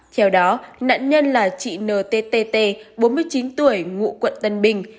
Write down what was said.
theo đó nạn nhân là chị ntt bốn mươi chín tuổi ngụ quận tân bình